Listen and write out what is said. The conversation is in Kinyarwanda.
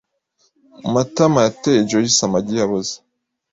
Matama yateye Joyci amagi yaboze.